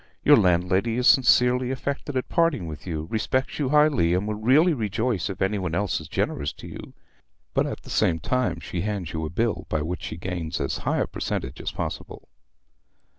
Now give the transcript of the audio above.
Your landlady is sincerely affected at parting with you, respects you highly, and will really rejoice if any one else is generous to you; but at the same time she hands you a bill by which she gains as high a percentage as possible.